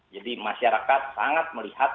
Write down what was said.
jadi masyarakat sangat melihat